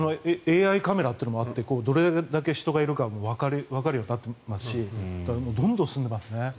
ＡＩカメラというのもあってどれだけ人がいるかもわかるようになっていますしどんどん進んでますね。